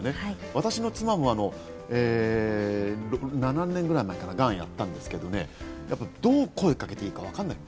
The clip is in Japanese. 私の妻も７年前ぐらいかな、がんをやったんですけどね、どう声をかけていいか分からない。